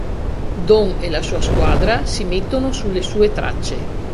Don e la sua squadra si mettono sulle sue tracce.